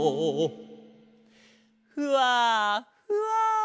ふわふわ。